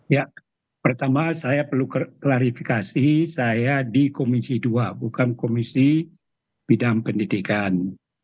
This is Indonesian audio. ya pertama saya perlu klarifikasi saya di komisi dua bukan komisi bidang pendidikan